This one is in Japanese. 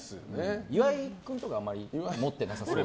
岩井君とかあんまり持ってなさそうな。